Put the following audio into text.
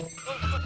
ya ampun pak